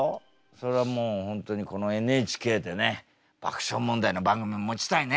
それはもう本当にこのＮＨＫでね爆笑問題の番組持ちたいね！